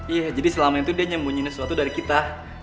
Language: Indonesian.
iya jadi selama itu dia nyembunyiin sesuatu dari kita